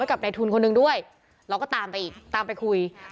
ไว้กับในทุนคนนึงด้วยเราก็ตามไปตามไปคุยสมมุติว่า